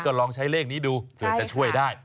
ก็ลองใช้เลขนี้ดูเผื่อจะช่วยได้